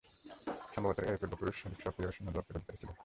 সম্ভবত এর পূর্বপুরুষ অধিক সক্রিয় ও উষ্ণ রক্তের অধিকারী ছিল।